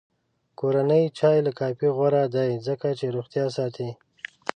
کورنی چای له کافي غوره دی، ځکه چې روغتیا ساتي.